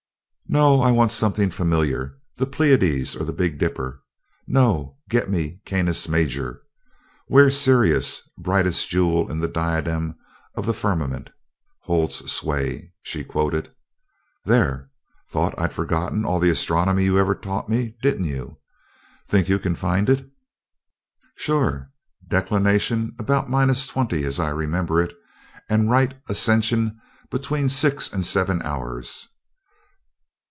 "No, I want something familiar; the Pleiades or the Big Dipper no, get me Canis Major 'where Sirius, brightest jewel in the diadem of the firmament, holds sway'," she quoted. "There! Thought I'd forgotten all the astronomy you ever taught me, didn't you? Think you can find it?" "Sure. Declination about minus twenty, as I remember it, and right ascension between six and seven hours.